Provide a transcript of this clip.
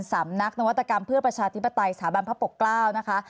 สำนักนวัตกรรมเพื่อประชาธิปไตยสถาบันพระปกเกล้านะคะ